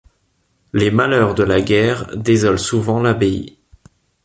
Les malheurs de la guerre désolent souvent l'abbaye.